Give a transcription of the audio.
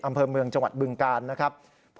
อำเภอเมืองจังหวัดบึงกาลนะครับ